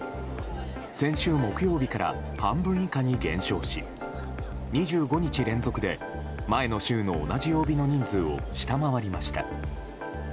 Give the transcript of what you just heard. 先週木曜日から半分以下に減少し２５日連続で前の週の同じ曜日の人数を下回りました。